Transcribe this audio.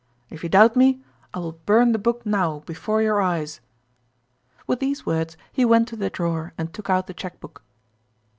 If you doubt me, I will burn the book now before your eyes !" "With these words he went to the drawer and took out the cheque book.